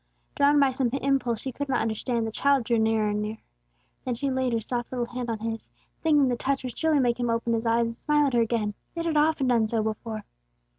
Drawn by some impulse she could not understand, the child drew nearer and nearer. Then she laid her soft little hand on his, thinking the touch would surely make him open his eyes and smile at her again; it had often done so before.